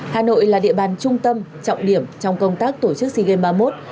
hà nội là địa bàn trung tâm trọng điểm trong công tác tổ chức sea games ba mươi một